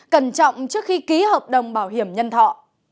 cẩn trọng trước khi ký hợp đồng bảo hiểm nhân thọ